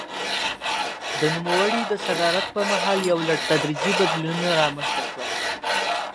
د نوموړي د صدارت پر مهال یو لړ تدریجي بدلونونه رامنځته شول.